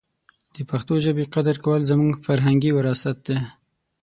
د پښتو ژبې قدر کول زموږ فرهنګي وراثت دی.